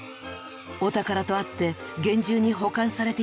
お宝とあって厳重に保管されていますね。